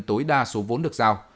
tối đa số vốn được giao